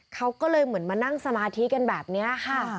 เขาก็เลยเหมือนมานั่งสมาธิกันแบบนี้ค่ะ